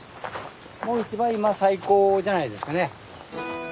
もう一番今最高じゃないですかね。